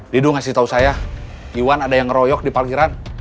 didu ngasih tahu saya iwan ada yang ngeroyok di parkiran